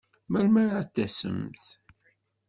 Melmi ara d-tasemt?